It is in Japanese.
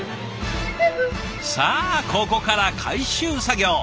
さあここから回収作業！